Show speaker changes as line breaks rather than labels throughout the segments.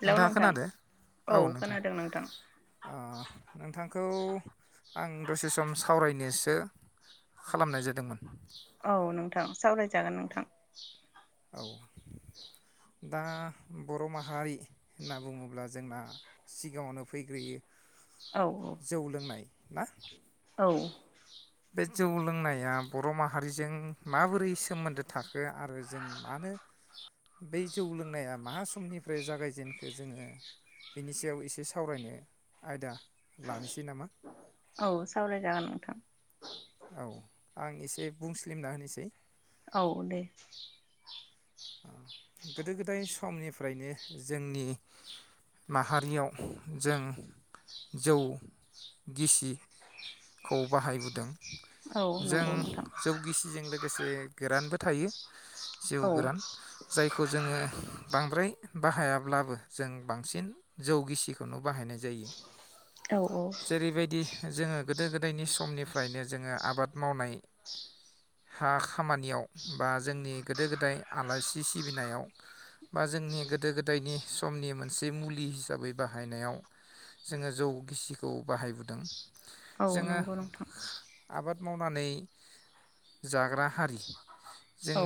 Hello
नोंथाङा
नोंथां
खोनादो औ नोंथां ओ नोंथांखौ आं दसे सम सावरायनोसो खालामनाय जादोंमोन।
औ नोंथां सावरायजागोन नोंथां।
औ दा बर' माहारि होनना बुङोब्ला जोंना सिगाङावनो फैग्रोयो
औ
जौ लोंनाय ना?
औ
बे जौ लोंनाया बर' माहारिजों माबोरै सोमोन्दो थाखो आरो जों मानो बै जौ लोंनाया मा समनिफ्राय जागायजेनखो जोङो बिनि सायाव एसे सावरायनो आयदा लानोसै नामा
औ सावराय जागोन नोंथां।
औ आं एसे बुंस्लिमना होनोसै।
औ दे।
गोदो गोदाय समनिफ्रायनो जोंनि माहारियाव जों जौ गिसि खौ बाहायबोदों।
औ
जों
नंगौ नोंथां
जौ गिसिजों लोगोसे गोरानबो थायो। जौ
औ
गोरान जायखौ जोङो बांद्राय बाहाया ब्लाबो जों बांसिन जौ गिसिखौनो बाहायनाय जायो
औ औ
जेरैबायदि जोङो गोदो गोदायनि समनिफ्रायनो जोङो आबाद मावनाय हा खामानियाव बा जोंनि गोदो गोदाय आलासि सिबिनायाव बा जोंनि गोदो गोदायनि समनि मोनसे मुलि हिसाबै बाहायनायाव जोङो जौ गिसिखौ बाहायबोदों।
औ
जोङो
नंगौ नोंथां।
आबाद मावनानै जाग्रा हारि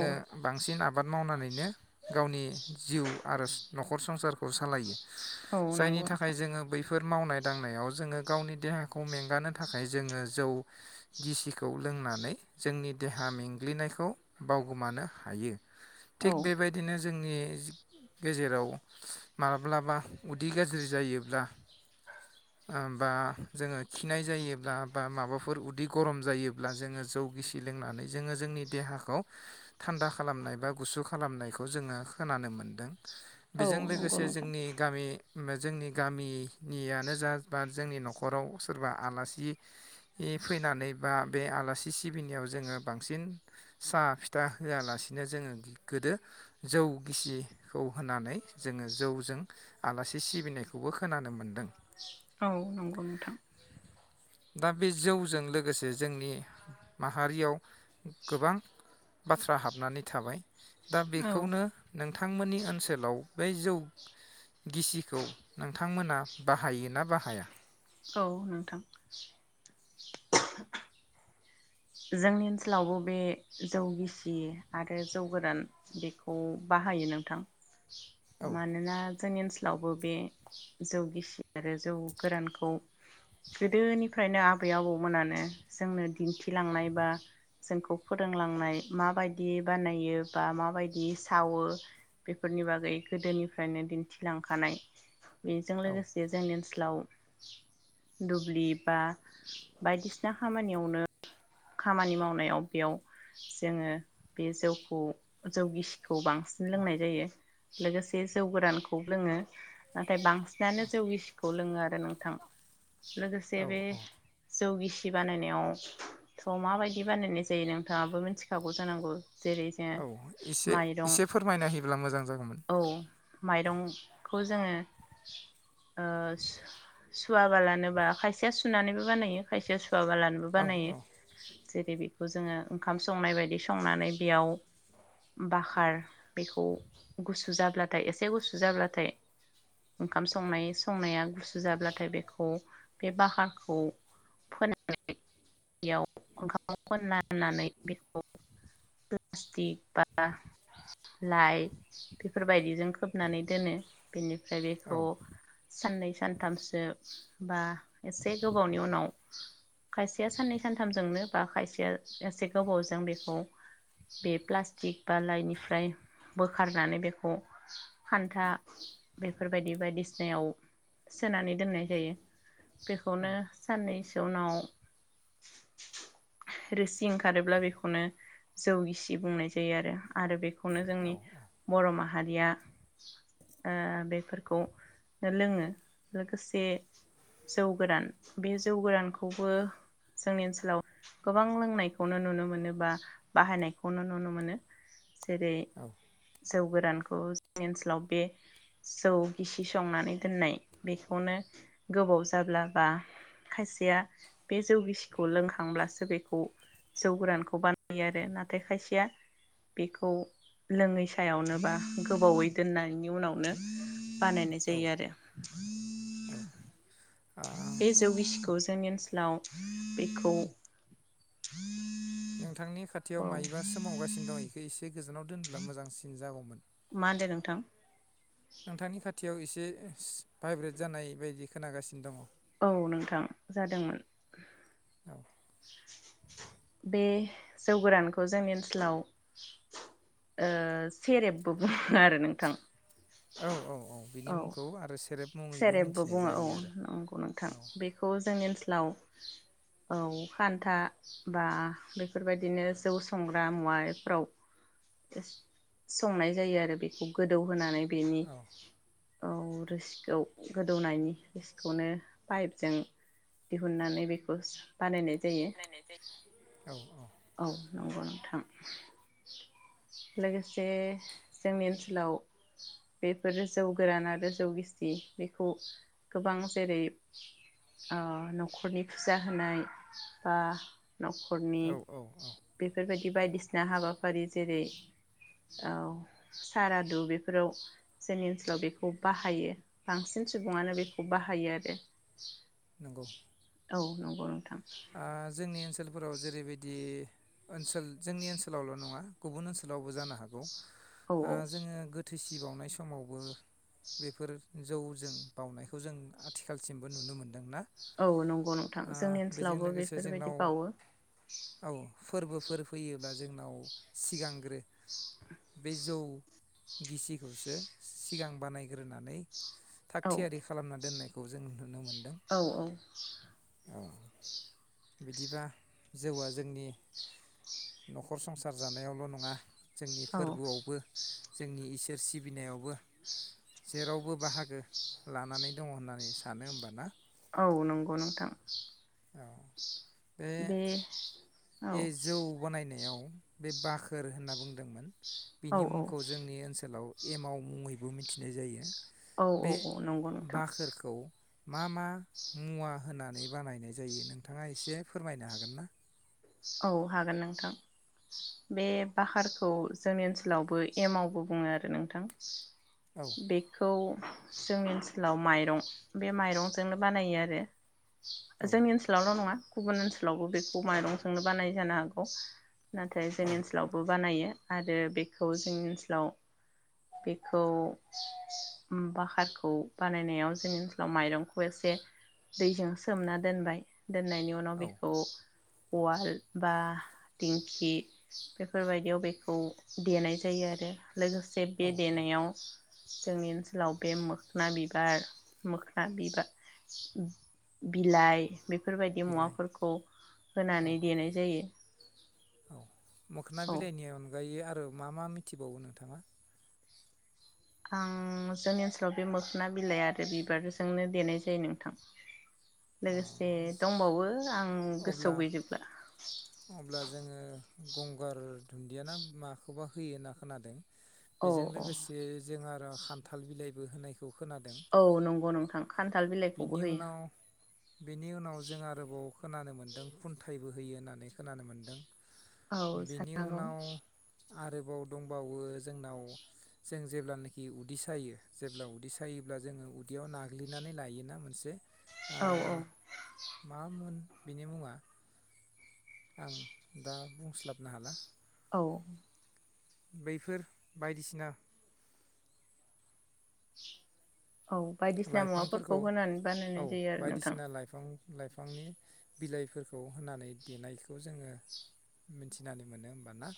औ
बांसिन आब बाद मावनानैनो गावनि जिउ आरो स न'खर संसार खौ सालायो।
औ
जायनि
नंगौ
थाखाय
नोंथां
जोङो बैफोर मावनाय दांनायाव जोङो गावनि देहाखौ मेंगानो थाखाय जोङो जौ गिसिखौ लोंनानै जोंनि देहा मेंग्लिनायखौ बावगोमानो हायो। थिग
औ
बेबायदिनो जोंनि गेजेराव माब्लाबा उदै गाज्रि जायोब्ला बा जोङो खिनाय जायोब्ला बा माबाफोर उदै गरम जायोब्ला जोङो जौ गिसि लोंनानै जोङो जोंनि देहाखौ थान्दा खालामनाय एबा गुसु खालामनायखौ जोङो खोनानो मोनदों।
औ
बेजों
नंगौ
लोगोसे
नोंथां
जोंनि गामि जोंनि गामिनियानो जा बा जोंनि नखराव सोरबा आलासि फैनानै बा बे आलासि सिबिनायाव जोङो बांसिन साहा फिथा होआलासिनो जोङो गोदो जौ गिसिखौ होनानै जोङो जौजों आलासि सिबिनायखौबो खोनानो मोन्दों।
औ नंगौ नोंथां।
दा बे जौजों लोगोसे जोंनि माहारियाव गोबां बाथ्रा हाबनानै थाबाय। दा
औ
बेखौनो नों नोंथांमोननि ओनसोलाव बै जौ गिसिखौ नोंथांमोना बाहायो ना बाहाया?
औ नोंथां। जोंनि ओनसोलावबो बे जौ गिसि आरो जौ गोरान। बेखौ बाहायो नोंथां
औ
मानोना जोंनि ओनसोलावबो बे जौ गिसि आरो जौ गोरानखौ गोदोनिफ्रायनो आबै आबौमोनानो जोंनो दिन्थि दिन्थिलांनाय बा जोंखौ फोरोंलांनाय माबायदि बानायो बा माबायदि सावो बेफोरनि बागै गोदोनिफ्रायनो दिन्थिलांखानाय। बेजों
औ
लोगोसे जोंनि ओनसोलाव दुब्लि बा बायदिसिना खामानियावनो खामानि मावनायाव बेयाव जोङो बे जौखौ जौ गिसि खौ बांसिन लोंनाय जायो। लोगोसे जौ गोरानखौबो लोङो। नाथाय बांसिनानो जौगिसिखौ लोङो आरो नोंथां लोगोसे
औ
बे
औ
जौगिसि खिथि बानायनायाव थ माबायदि बानायनाय जायो नोंथाङाबो मिथिखागौ जानांगौ। जेरै जोङो
औ एसे
माइरं
एसे फोरमायना होयोब्ला मोजां जागोन।
औ माइरंखौ जोङो ओ सुवाबालानोबा खायसेया सुनानैबो बानायो खायसेया सु बालानोबो
औ
बानायो
औ
जेरै बेखौ जोङो ओंखाम संनाय बायदि संनानै बेयाव बाखार बेखौ गुसु जाब्लाथाय एसे गुसु जाब्लाथाय ओंखाम संनाय संनाया गुसु जाब्लाथाय बेखौ बे बाहारखौ फोनयाव ओंखामाव फोननानै बेखौ प्लास्टिक बा लाइ बेफोरबायदिजों खोबनानै दोनो। बेनिफ्राय
औ
बेखौ साननै सानथामसो बा एसे गोबावनि उनाव खायसेया साननै सानथामजोंनो बा खायसेया एसे गोबावजों बेखौ बे प्लास्टिक बा लाइनिफ्राय बो खारनानै बेखौ खान्था बेफोरबायदि बायदिसिनायाव सोनानै दोननाय जायो। बेखौनो साननैसो उनाव रोसि ओंखारोब्ला बेखौनो जौ गिसि बुंनाय जायो आरो आरो बे बेखौनो जोंनि ब'र माहारिया ओ बेफोरखौ लोङो लोगोसे जौ गोरान बे जौ गोरानखौबो जोंनि ओनसोलाव गोबां लोंनायखौनो नुनो मोनो बा बाहायनायखौनो नुनो मोनो। मोनो जेरै
औ
जौ गोरावखौ जोंनि आनसोलाव बे जौ गिसि संनानै दोननाय बेखौनो गोबाव जाब्ला बा खायसेया बे जौ गिसिखौ लोंखांब्लासो बेखौ जौ गोरानखौ बानायो आरो नाथाय खायसेया बेखौ लोङै फियावनो बा गोबावै दोननायनि उनावनो बानायनाय जायो आरो
औ।
बे जौ गिसिखौ जोंनि ओनसोलाव बेखौ
नोंथांनि खाथियाव
औ
मायोबा सोमावगासिनो दं इखौ एसे गोजानाव दो दोनब्ला मोजांसिन जा जागौमोन!
मा होनदो नोंथां?
नोंथांनि खाथि खाथियाव एसे भाइब्रेट जानाय बायदि खोनागासिनो दं।
औ नोंथां जादोंमोन।
[inaudible]
बे जौ गोरानखौ जोंनि ओनसोलाव ओ सेरेबबो बुङो आरो नोंथां।
औ औ औ बिनि मुंखौ आरो सेरेब मुङैबो
सेरेबबो
मिथिनाय
बुङो औ
जायो आरो
नंगौ नोंथां बेखौ जोंनि ओनसोलाव औ खान्था बा बेफोरबायदिनो जौ संग्रा मुवाफ्राव संनाय जायो आरो बेखौ गोदौ होनानै बेनि
औ
ओ रोसि ओ गोदौनायनि [unintelligible] खौनो पाइपजों दिहुननानै बेखौ बानायनाय जायो
औ
औ नंगौ नों थाम लोगोसे जोंनि ओनसोलाव बेफोरो जौ गोरान आरो जौ गि बेखौ गोबां जेरै अ न'खरनि फुजा होनाय बा न'खरनि
औ औ औ
बेफोरबायदि बायदिसिना हाबाफारि जेरै औ सारादु बेफोराव जोंनि ओनसोलाव बेखौ बाहायो बांसिन सुबुङानो बेखौ बाहायो आरो
नोंगौ।
औ नंगौ नोंथां।
ओ जोंनि ओनसोलफोराव जेरैबायदि सोल जोंनि ओनसोलावल नंङा। गुबुन ओनसोलावबो जानो हागौ।
औ
ओ
औ
जोंङो गोथैसि गोथै बावनाय समावबो बेफोर जौजों बावउनायखौ जों आथिखालसिमबो नुनो मोन्दोंना।
औ नंगौ नोंथां जोंनि ओनसोल
बेजों लोगोसे जोंनाव औ फोरबोफोर फैयो। अब्ला जोंनाव सिगांग्रो बे जौ गिसिखौसो सिगां बानायग्रोनानै। थाग थियारि खालामना दोननायख। खौ जों नुदों।
औ औ।
बिदिबा जौआ जोंनि न'खर संसार जानायावल' नङा जोंनि
औ
फोरबोआवबो। जोंनि इसोर सिबिनायावबो जेरावबो बाहागो लानानै दङ होननानै सानो होमबाना।
औ नंगौ नोंथां।
औ।
बे औ।
ए जौ बानायनायाव बे बाखोर होनना बुंदोंमोन।
औ
बिनि
औ
मुंखौ जोंनि ओनसोलाव एमाव मुंङै। बो मिथिनाय जायो।
औ औ
बे
औ नंगौ नोंथां।
बाखोरखौ मा मा मुवा होनानै बानाय जायो नोंथाङा एसे फोरमायनो हागोन ना?
औ हागोन नोंथां बे बाकारखौ जोंनि ओनसोलावबो एमवबो बुङो आरो नोंथां।
औ
बेखौ जोंनि ओनसोलाव माइरं बे माइरंजोंनो बानायो आरो।
औ
जोंनि ओनसोलावल' नङा गुबुन ओनसोलावबो बेखौ माइरं जोंनो बानाय जानो हागौ। नाथाय
औ
जों ओनसोलावबो बानायो। आरो बेखौ जोंनि ओनसोलाव बेखौ ओम बाकारखौ बानायनायाव जोंनि ओनसोलाव माइरंखौ एसे दैजों सोमना दोनबाय दोननायनि उनाव
औ
बेखौ उवाल बा दिंखि बेफोरबायदियाव बेखौ देनाय जायो आरो। लोगोसे
औ
बे
औ
देनायाव जोंनि ओनसोलाव बे मोखना बिबार मोखोना बिबा बिलाइ बेफोरबायदि
बिलाइ
मुवाफोरखौ
औ
नानै देनाय जायो। ए
मोखना बिलाइनि अनगायै आद ओ मा मा मिथिबावो नोंथाङा?
आं जोंनि ओनसोलाव बे मोखना बिलाइ आरो बिबारजोंनो देनाय जायो नोंथां।
अ
लोगोसे दंबावो आं
अब्ला
गोसोआव गैजोबला।
अब्ला जोङो गंगार दुन्दियाना मा खौबा होयो होनना खोनादों।
औ
बेजों
औ
लोगोसे जों आरो खान्थाल बिलाइ बो होनाय खोनादों
औ नंगौ नोंथां खान्थाल बिलाइखौबो
बिनि
होयो
उनाव बिनि उनाव जों आरोबाव खोनानो मोनदों खुन्थाइ बोहोयो होननानै खोनानो मोन्दों।
औ
बेनि
साननांगौ।
उनाव आरोबाव दंबावो जोंनाव जों जेब्लानोखि उदै सायो जेब्ला उदै सायोब्ला जोङो उदैयाव नाग्लिनानै लायोना मोनसे आ
औ औ
मामोन बिनि मुङा आं दा बुंस्लाबनो हाला।
औ
बैफोर बायदिसिना
औ बायदिसिना मुवाफोरखौ
लाइफांफोरखौ
होनानै
औ
बानायनाय जायो आरो नोंथां।
बायदिसिना लाइफां लाइफांनि बिलाइफोरखौ होनानै देनायखौ जोङो मिथिनानै मोनो होमबा ना?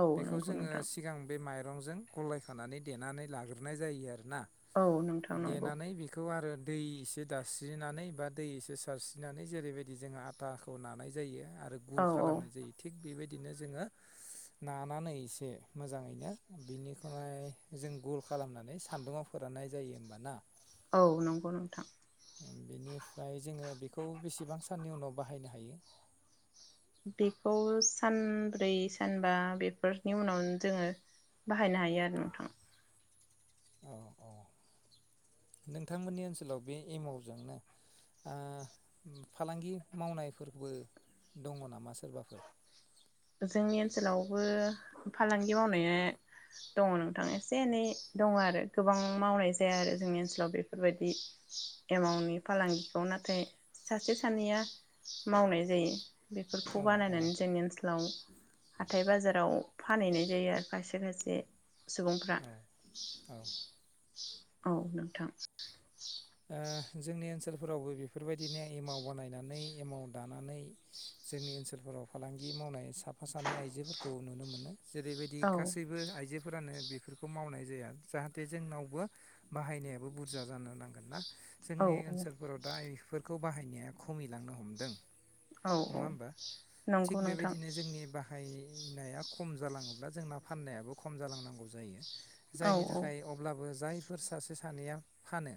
औ
बेखौ
नंगौ
जोङो
नोंथां
सिगां बे माय रंजों गलाय खानानै देनानै लाग्रोनाय जायो आरो ना?
औ नों
देनानै बेखौ आरो दै एसे दास्रिनानै बा दै एसे सारस्रिनानै जेरैबायदि जों आथाखौ नानाय जायो आरो गुल
औ औ
खालामनाय जायो थिग बेबायदि दिनो जोङो नानानै एसे मोजाङैनो बिनिखाय जों गुल खालामनानै सान्दुंआव फोराननाय जायो होमबा ना?
औ नंगौ नोंथां।
बेनिफ्राय जोङो बेखौ बेसेबां साननि उनाव बाहायनो हायो?
बेखौ सानब्रै सानबा बेफोरनि उनाव जोङो बाहायनो हायो आरो नोंथां।
औ औ नोंथांमोननि ओनसोलाव बे एमवजोंनो फालांगि मावनायफोरबो दङ नामा सोरबाफोर?
जोंनि ओनसोलावबो फालांगि मावनाया दङ नोंथां एसे एनै दङ आरो गोबां मावनाय जाया आरो जोंनि ओनसोलाव बेफोरबायदि एमाउनि फालांगिखौ नाथाय सासे सानैया मावनाय जायो। बेफोरखौ
औ औ
बानायनानै जोंनि ओनसोल आव हाथाय बाजाराव फानहैनाय जायो आरो खायसे खायसे सुबुंफ्रा
औ औ
औ नोंथां
फोरावबो बेफोरबायदिनो एमाव बानायनानै एमाव दानानै जोंनि ओनसोलफोराव फालांगि मावनाय साब साफा सानै आइजोफोरखौ नुनो मोनो जेरैबायदि
औ
गासैबो आइजोफोरानो बि बेफोरखौ मावनाय जाया जाहाथे जोंनावबो बाहायनायाबो बुरजा जानो नां
औ
जोंनि ओनसोलफोराव दा बेफोरखौ। खौ बाहायनाया खमायलांनो हमदों।
औ औ
नङा होमबा
नंगौ नोंथां।
फिनाया खम जालाङोब्ला जोंना फाननायाबो खम जालांनांगौ जायो।
औ
जायनि
औ
थाखाय अब्लाबो जाय फोर सासे सानैया फानो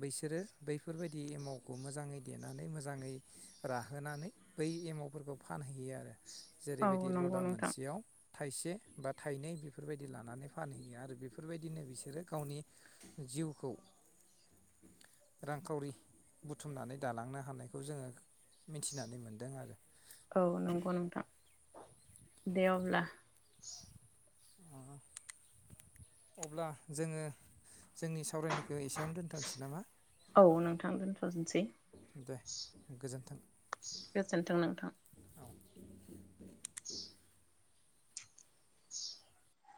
बैसोरो बैफोरबायदि एमावखौ मोजाङै देनानै मोजाङै राहोनानै बै एमावफोरखौ फानहैयो आरो
औ
जेरैबायदि
नंगौ
लदा
नोंथां
मोनसेयाव थाइसे बा थाइनै बेफोरबायदि लानानै फानहैयो आरो बेफोरबायदिनो बिसोरो गावनि जिउखौ रांखावरि बुथुमनानै दालांनो हानायखौ जोङो मिथिनानै मोनदों आरो
औ नंगौ नोंथां दे अब्ला
अब्ला जोङो जोंनि सावरायनायखौ एसेयावनो दोनथनोसै नामा
औ नोंथां दोनथ'नोसै
दे गोजोन्थों
गोजोन्थों नोंथां
औ